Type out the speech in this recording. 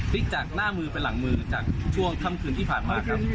จากหน้ามือไปหลังมือจากช่วงค่ำคืนที่ผ่านมาครับ